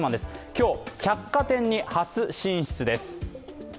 今日、百貨店に初進出です。